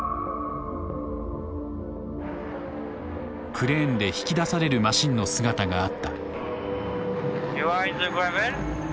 クレーンで引き出されるマシンの姿があった。